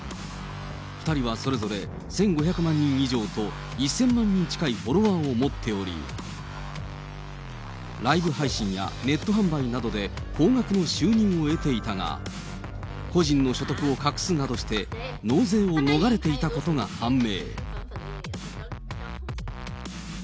２人はそれぞれ、１５００万人以上と１０００万人近いフォロワーを持っており、ライブ配信やネット販売などで高額の収入を得ていたが、個人の所得を隠すなどして、納税を逃れていたことが判明。